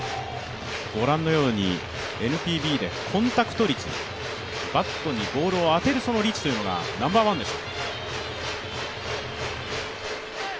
御覧のようにＮＰＢでコンタクト率、バットにボールを当てる率がナンバーワンでした。